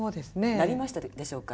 なりましたでしょうか？